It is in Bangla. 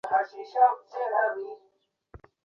মেয়েটি ভাগ্যের পরিহাসে এমন একজন মানুষের প্রেমে পড়ে যায়।